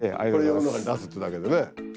これ世の中に出すってだけでね。